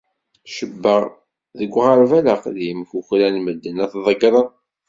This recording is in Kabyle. Cebbaɣ deg uɣerbal aqdim kukran medden ad t-ḍeggren.